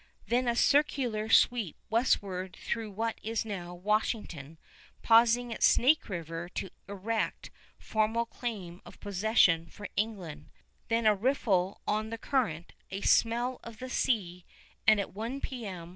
Then a circular sweep westward through what is now Washington, pausing at Snake River to erect formal claim of possession for England, then a riffle on the current, a smell of the sea, and at 1 P.M.